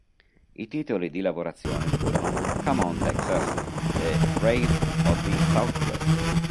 I titoli di lavorazione furono "Come On, Texas" e "Raids of the Southwest".